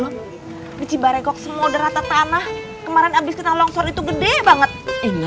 tahu belum di cibarekok semua udah rata tanah kemarin abis kita longsor itu gede banget inna